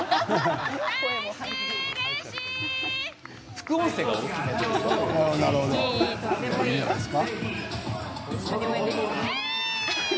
副音声大きめです。